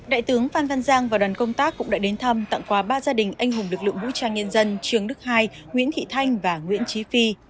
đại tướng phan văn giang và đoàn công tác cũng đã đến thăm tặng quà ba gia đình anh hùng lực lượng vũ trang nhân dân trường đức hai nguyễn thị thanh và nguyễn trí phi